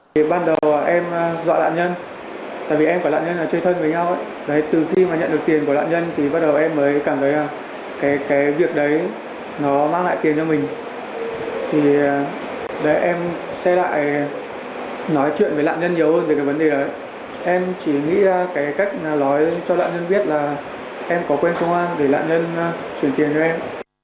quyết đã gửi cho các bạn thân mạo nói chuyện với lạng nhân nhiều hơn về vấn đề đó em chỉ nghĩ cách nói cho lạng nhân biết là em có quen cơ quan để lạng nhân truyền tiền cho em